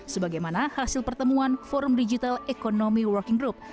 sebagai mana hasil pertemuan forum digital economy working group